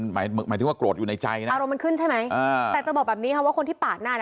หมายหมายถึงว่าโกรธอยู่ในใจนะอารมณ์มันขึ้นใช่ไหมอ่าแต่จะบอกแบบนี้ค่ะว่าคนที่ปาดหน้าน่ะ